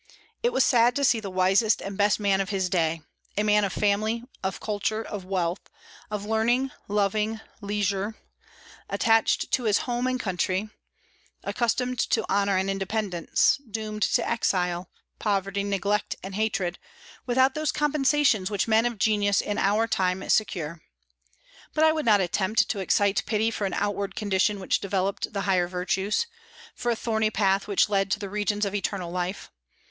It was sad to see the wisest and best man of his day, a man of family, of culture, of wealth, of learning, loving leisure, attached to his home and country, accustomed to honor and independence, doomed to exile, poverty, neglect, and hatred, without those compensations which men of genius in our time secure. But I would not attempt to excite pity for an outward condition which developed the higher virtues, for a thorny path which led to the regions of eternal light.